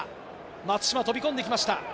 松島、飛び込んできました！